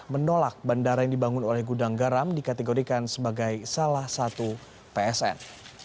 menolak bandara yang dibangun oleh gudang garam dikategorikan sebagai salah satu psn